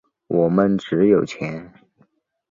我们只有钱。